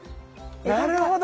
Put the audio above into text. なるほど。